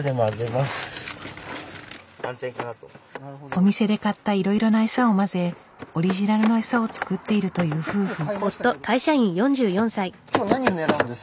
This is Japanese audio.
お店で買ったいろいろなエサを混ぜオリジナルのエサを作っているという夫婦。